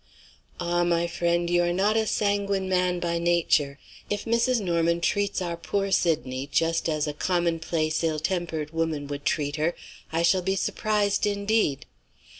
"Ah, my friend, you are not a sanguine man by nature. If Mrs. Norman treats our poor Sydney just as a commonplace ill tempered woman would treat her, I shall be surprised indeed.